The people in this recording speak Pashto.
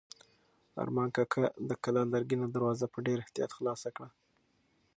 ارمان کاکا د کلا لرګینه دروازه په ډېر احتیاط خلاصه کړه.